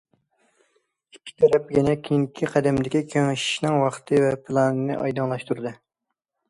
ئىككى تەرەپ يەنە كېيىنكى قەدەمدىكى كېڭىشىشنىڭ ۋاقتى ۋە پىلانىنى ئايدىڭلاشتۇردى.